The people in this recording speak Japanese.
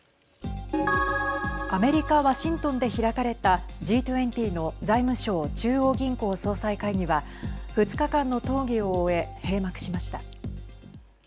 アメリカ、ワシントンで開かれたＧ２０の財務相・中央銀行総裁会議は２日間の討議を終え閉幕しました。